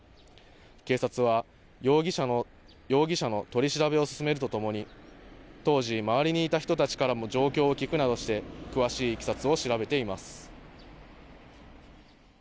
警察は容疑者の取り調べを進めるとともに当時、周りにいた人たちからも状況を聞くなどして詳しいいきさつを調べています。